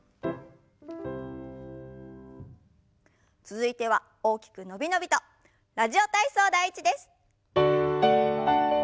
続いては大きく伸び伸びと「ラジオ体操第１」です。